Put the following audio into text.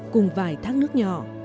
cùng vài thác nước nhỏ